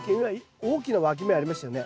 大きなわき芽ありましたよね。